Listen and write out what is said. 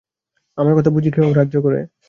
আমার কথা বুঝি কেহ গ্রাহ্য করে।